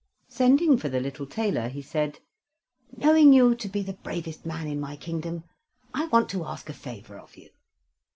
Sending for the little tailor, he said: "Knowing you to be the bravest man in my kingdom, I want to ask a favor of you.